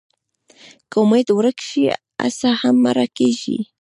که امېد ورک شي، هڅه هم مړه کېږي.